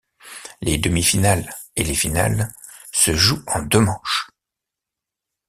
Les demi-finales et les finales se jouent en deux manches.